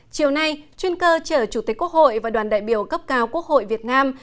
chiều nay chuyên cơ chở chủ tịch quốc hội và đoàn đại biểu cấp cao quốc hội việt nam